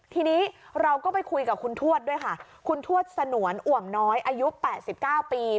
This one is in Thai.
ทีนี้เราก็ไปคุยกับคุณทวดด้วยค่ะคุณทวดสนวนอ่วมน้อยอายุ๘๙ปี